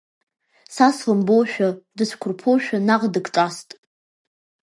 Са слымбоушәа, дыцәқәырԥоушәа, наҟ дыкҿаст!